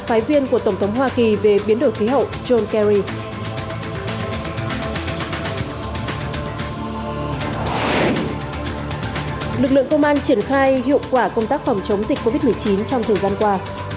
lực lượng công an triển khai hiệu quả công tác phòng chống dịch covid một mươi chín trong thời gian qua